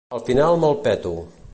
Al final me'l peto.